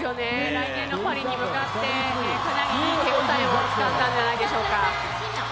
来年のパリに向かって、かなりいい手応えつかんだんじゃないでしょうか。